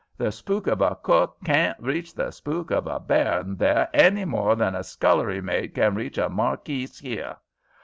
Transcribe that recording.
The spook of a cook carn't reach the spook of a baron there hany more than a scullery maid can reach a markis 'ere.